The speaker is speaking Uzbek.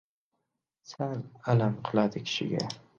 Sal alam qiladi kishiga.